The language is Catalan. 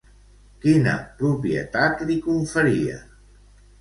Quina propietat li conferia?